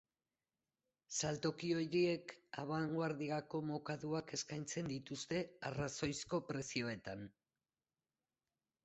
Saltoki horiek abangoardiako mokaduak eskaintzen dituzte arrazoizko prezioetan.